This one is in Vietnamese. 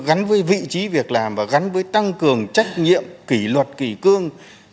gắn với vị trí việc làm và gắn với tăng cường trách nhiệm kỷ luật kỷ cương